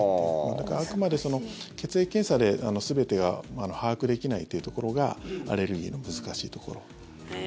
だからあくまで血液検査で全てが把握できないというところがアレルギーの難しいところ。